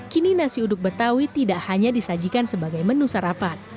kini nasi uduk betawi tidak hanya disajikan sebagai menu sarapan